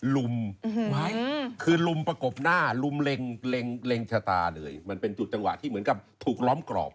ลุมไว้คือลุมประกบหน้าลุมเล็งชะตาเลยมันเป็นจุดจังหวะที่เหมือนกับถูกล้อมกรอบ